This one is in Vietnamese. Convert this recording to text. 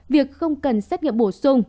việc không cần xét nghiệm bổ sung